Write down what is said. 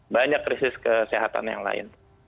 banyak krisis kesehatan yang lain